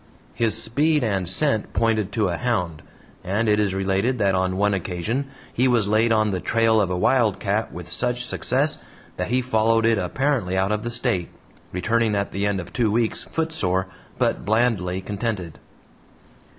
His speed and scent pointed to a "hound," and it is related that on one occasion he was laid on the trail of a wildcat with such success that he followed it apparently out of the State, returning at the end of two weeks footsore, but blandly contented.